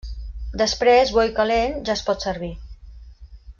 Després, bo i calent, ja es pot servir.